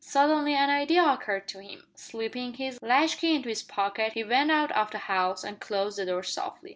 Suddenly an idea occurred to him. Slipping his latchkey into his pocket he went out of the house and closed the door softly.